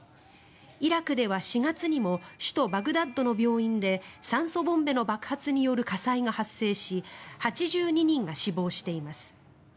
イラクでは４月にも首都バグダッドの病院で酸素ボンベの爆発による火災が発生し８２人が死亡しています。